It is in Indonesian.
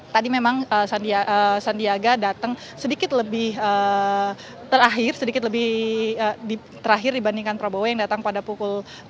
tadi memang sandiaga datang sedikit lebih terakhir sedikit lebih terakhir dibandingkan prabowo yang datang pada pukul